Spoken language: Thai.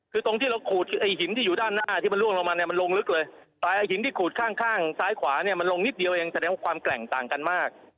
คือตรงที่เราขูดไอ้หินที่อยู่ด้านหน้าที่มันล่วงลงมาเนี่ยมันลงลึกเลยไอ้หินที่ขูดข้างข้างซ้ายขวาเนี่ยมันลงนิดเดียวเองแสดงว่าความแกร่งต่างกันมาก